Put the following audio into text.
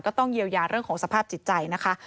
ก็ต้องเยียวยาเรื่องของสภาพจิตใจนะคะ